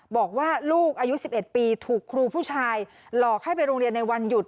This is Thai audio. บอกว่าลูกอายุ๑๑ปีถูกครูผู้ชายหลอกให้ไปโรงเรียนในวันหยุด